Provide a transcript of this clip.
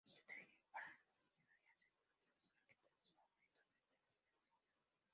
Hildebrandt llegaría a ser uno de los arquitectos favoritos del Príncipe Eugenio.